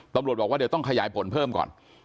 ตำรวจบอกว่าเดี๋ยวต้องขยายผลเพิ่มก่อน